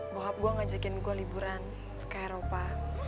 maaf gue ngajakin gue liburan ke eropa